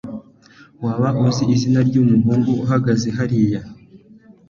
waba uzi izina ryumuhungu uhagaze hariya